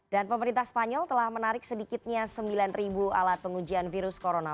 dan pemerintah spanyol telah menarik sedikitnya sembilan alat pengujian virus corona